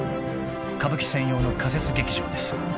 ［歌舞伎専用の仮設劇場です］